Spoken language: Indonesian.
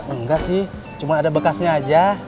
enggak sih cuma ada bekasnya aja